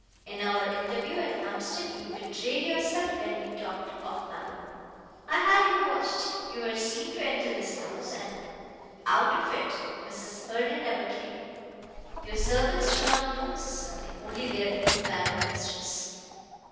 In our interview at Hampstead you betrayed yourself when we talked of Mallow. I had you watched. You were seen to enter this house, and out of it Mrs. Herne never came. Your servants do not know Mrs. Herne only their invalid mistress."